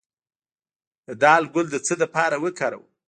د دال ګل د څه لپاره وکاروم؟